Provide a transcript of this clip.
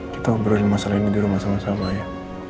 kita ngobrolin masalah ini di rumah sama sama ya